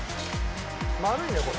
丸いねこれ。